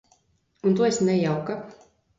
Un tu esi nejauka.